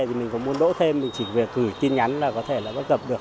thì mình có muốn đỗ thêm thì mình chỉ việc gửi tin nhắn là có thể là gặp được